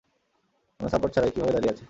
কোন সাপোর্ট ছাড়াই, কিভাবে দাঁড়িয়ে আছে?